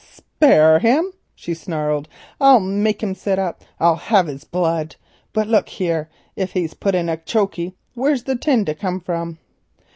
"Spare him," she snarled; "not I. I'll have his blood. But look here, if he's put in chokey, where's the tin to come from?"